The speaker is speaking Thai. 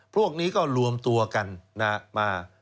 พวกนี้ก็รวมตัวกันมา